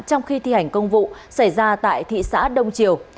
trong khi thi hành công vụ xảy ra tại thị xã đông triều